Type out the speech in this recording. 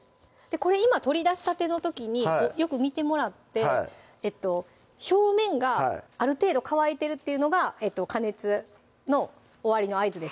これ今取り出したての時によく見てもらって表面がある程度乾いてるっていうのが加熱の終わりの合図です